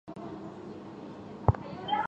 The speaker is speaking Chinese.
科芒雄人口变化图示